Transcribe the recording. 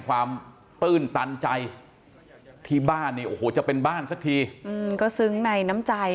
ตื้นตันใจที่บ้านเนี่ยโอ้โหจะเป็นบ้านสักทีก็ซึ้งในน้ำใจ